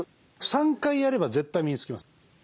３回やれば絶対身につきます。